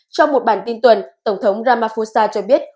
trong một bản tin tuần tổng thống ramaphosa cho biết